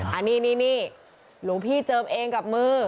อันนี้นี่หลวงพี่เจิมเองกับมือ